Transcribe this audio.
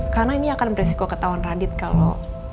karena ini akan beresiko ketauan radit kalo